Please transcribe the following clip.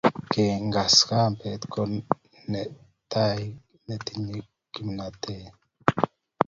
kengus kambet ko nitaet netinyei kimnatet